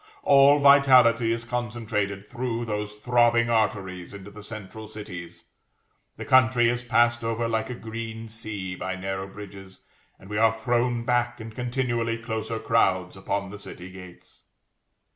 All vitality is concentrated through those throbbing arteries into the central cities; the country is passed over like a green sea by narrow bridges, and we are thrown back in continually closer crowds upon the city gates.